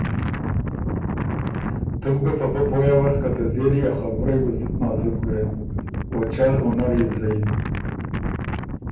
تُو بو ګه په پۀ پویٛ اؤس که ته ځېلی ا خبُرئ بُو زُت نازُک بېن۔ او چل هُنر يې بو زَیِن۔